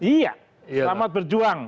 iya selamat berjuang